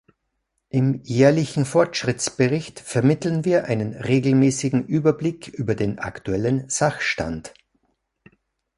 Im jährlichen Fortschrittsbericht vermitteln wir einen regelmäßigen Überblick über den aktuellen Sachstand.